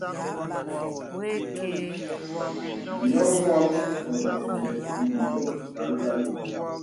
Nyɔ̄ wàm ɔ̀nə nə v yɔ̄ kan kan.